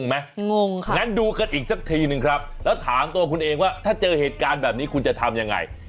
ดูภาพเหตุการณ์แล้วงงไหมงงครับงั้นดูกันอีกสักทีหนึ่งครับแล้วถามตัวคุณเองว่าถ้าเจอเหตุการณ์แบบนี้คุณจะทำอย่างไร